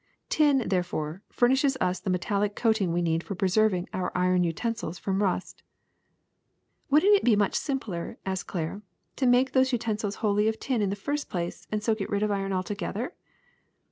Tin, therefore, furnishes us the metallic coat ing we need for preserving our iron utensils from rust. ''Would n't it be much simpler,'' asked Claire, *Ho make these utensils wholly of tin in the first place and so get rid of iron altogether?"